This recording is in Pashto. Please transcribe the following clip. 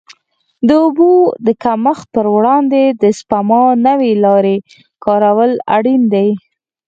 د اوبو د کمښت پر وړاندې د سپما نوې لارې کارول اړین دي.